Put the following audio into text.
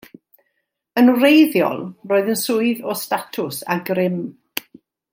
Yn wreiddiol, roedd yn swydd o statws a grym.